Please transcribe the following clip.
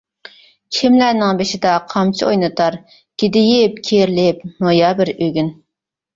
كىملەرنىڭ بېشىدا قامچا ئوينىتار، گىدىيىپ، كىرىلىپ نويابىر ئۆگۈن.